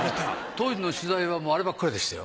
当時の取材はあればっかりでしたよ。